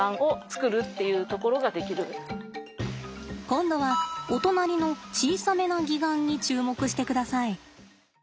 今度はお隣の小さめな擬岩に注目してください。